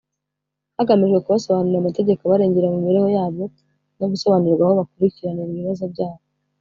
hagamijwe kubasobanurira amategeko abarengera mu mibereho yabo no gusobanurirwa aho bakurikiranira ibibazo byabo